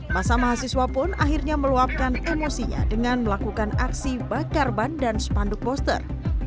masa mahasiswa pun akhirnya meluapkan emosinya dengan melakukan aksi bakar ban dan spanduk poster